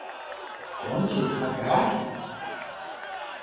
Onde h